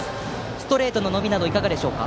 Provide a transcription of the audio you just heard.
ストレートの伸びなどいかがでしょうか？